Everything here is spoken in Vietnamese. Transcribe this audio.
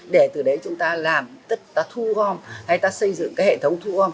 để từ đấy chúng ta làm tức ta thu gom hay ta xây dựng cái hệ thống thu gom